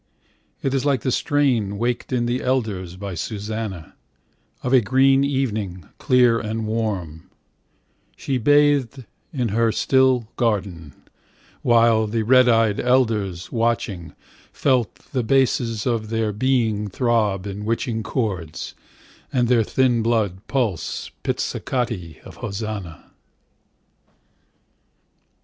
It is like the strainWaked in the elders by Susanna:Of a green evening, clear and warm, She bathed in her still garden, whileThe red eyed elders, watching, feltThe basses of their being throbIn witching chords, and their thin bloodPulse pizzicati of Hosanna.